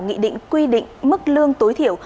nghị định quy định mức lương tối thiểu